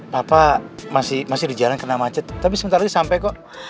papa masih di jalan kena macet tapi sebentar lagi sampai kok